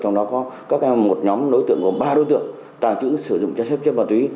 trong đó có các em một nhóm đối tượng gồm ba đối tượng tài trữ sử dụng trái phép chất ma túy